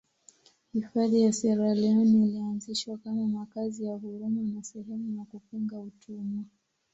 Hifadhi ya Sierra Leone ilianzishwa kama makazi ya huruma na sehemu ya kupinga utumwa